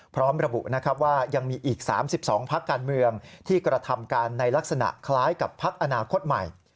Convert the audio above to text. พร้อมระบุนะครับว่ายังมีอีก๓๒พักการเมืองที่กระทำการในลักษณะคล้ายกับพักอนาคตใหม่